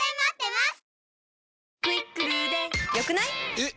えっ！